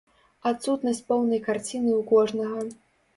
Адсутнасць поўнай карціны ў кожнага.